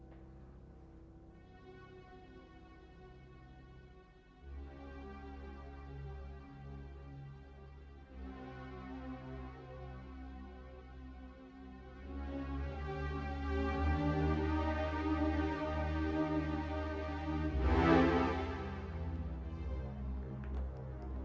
terima kasih sita